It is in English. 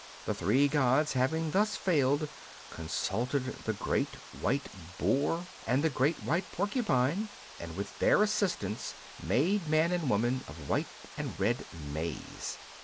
The three gods having thus failed, consulted the Great White Boar Curiosities of Olden Times and the Great White Porcupine, and with their assistance made man and woman of white and red maize.